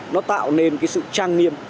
nó tạo nên cái sự trang nghiêm